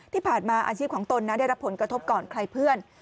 ที่ผ่านมาอาชีพของตนนะได้รับผลกระทบก่อนใครเพื่อน